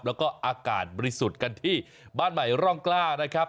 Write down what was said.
แล้วก็อากาศบริสุทธิ์กันที่บ้านใหม่ร่องกล้านะครับ